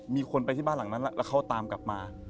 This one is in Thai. มีคนไปที่บ้านหลังนั้นแล้วเขาตามกลับมา